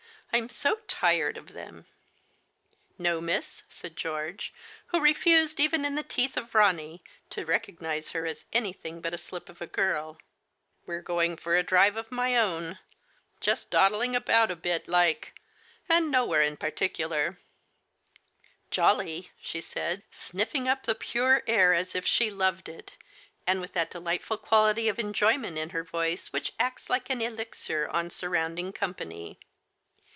I'm so tired of them!" Digitized by Google " No, miss," said George, who refused^even in the teeth of Ronny, to recognize her as anything but a slip of a girl, we're going for a drive of my own ; just dawdling about a bit like, and no where in particular/* " Jolly !" she said, sniffing up the pure air as if she loved it, and with that deh'ghtful quality of enjoyment in her voice which acts like an elixir on surrounding company.